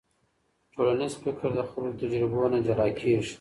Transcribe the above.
ټولنیز فکر د خلکو له تجربو نه جلا کېږي.